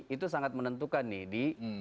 itu sangat menentukan nih di